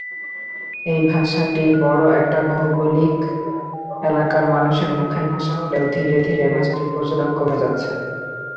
এই ভাষাটি বড়ো একটা ভৌগোলিক এলাকার মানুষের মুখের ভাষা হলেও ধীরে ধীরে ভাষাটির প্রচলন কমে যাচ্ছে।